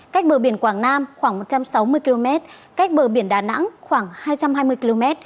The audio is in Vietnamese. cách bờ biển quảng nam khoảng một trăm sáu mươi km cách bờ biển đà nẵng khoảng hai trăm hai mươi km